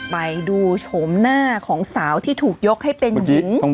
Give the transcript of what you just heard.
ไปดูโฉมหน้าของสาวที่ถูกยกให้เป็นหญิง